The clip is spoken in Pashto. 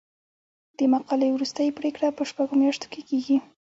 د مقالې وروستۍ پریکړه په شپږو میاشتو کې کیږي.